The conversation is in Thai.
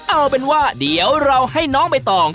เอาเป็นว่าเดี๋ยวเราให้น้องใบตอง